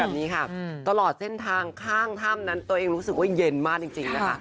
แบบนี้ค่ะตลอดเส้นทางข้างถ้ำนั้นตัวเองรู้สึกว่าเย็นมากจริงนะคะ